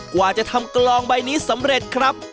กว่าจะทำกลองใบนี้สำเร็จครับ